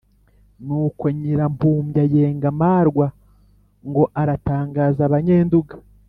Nuko Nyirampumbya yenga amarwa ngo atangaza Abanyenduga,